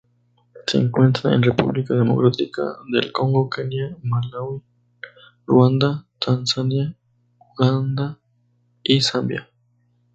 Se encuentra en República Democrática del Congo, Kenia, Malaui, Ruanda, Tanzania, Uganda y Zambia.